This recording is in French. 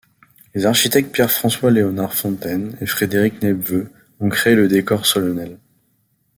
Les architectes Pierre-François-Léonard Fontaine et Frédéric Nepveu ont créé le décor solennel.